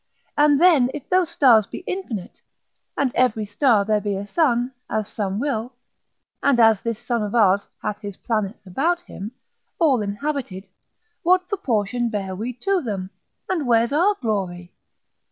and then if those stars be infinite, and every star there be a sun, as some will, and as this sun of ours hath his planets about him, all inhabited, what proportion bear we to them, and where's our glory?